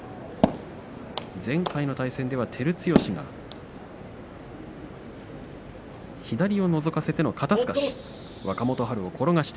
前回の対戦では照強が左をのぞかせての肩すかし。